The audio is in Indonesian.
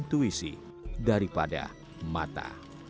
intuisi daripada mata